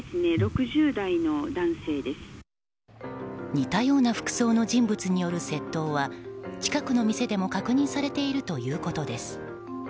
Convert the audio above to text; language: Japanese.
似たような服装の人物による窃盗は近くの店でも確認されているということです。